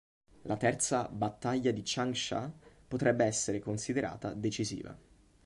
La terza "Battaglia di Changsha" potrebbe essere considerata decisiva.